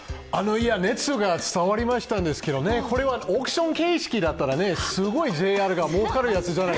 熱が伝わりましたけど、これはオークション形式だったらすごいＪＲがもうかるやつじゃない？